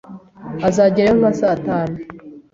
Azagerayo nka saa tanu.